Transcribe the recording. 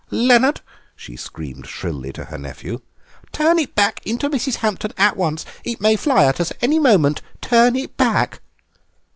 "Leonard!" she screamed shrilly to her nephew, "turn it back into Mrs. Hampton at once! It may fly at us at any moment. Turn it back!"